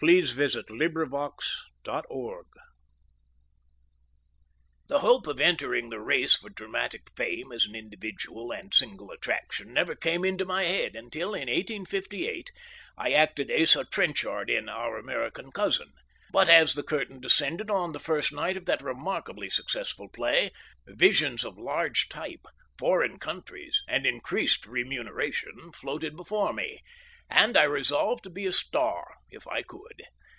ED.] HOW I CAME TO PLAY RIP VAN WINKLE The hope of entering the race for dramatic fame as an individual and single attraction never came into my head until, in 1858, I acted Asa Trenchard in "Our American Cousin"; but as the curtain descended the first night on that remarkably successful play, visions of large type, foreign countries, and increased remuneration floated before me, and I resolved to be a star if I could.